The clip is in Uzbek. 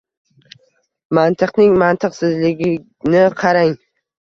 Mantiqning mantiqsizligini qarang!